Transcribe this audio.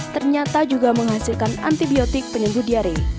ternyata juga menghasilkan antibiotik penyembuh diare